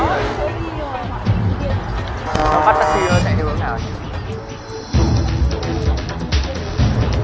nó bắt taxi nó sẽ đi được sao